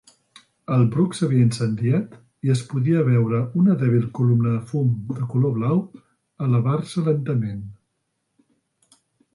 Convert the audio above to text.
El bruc s'havia incendiat i es podia veure una dèbil columna de fum de color blau elevar-se lentament.